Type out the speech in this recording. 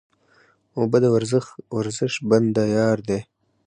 اوبه د ورزش بنده یار دی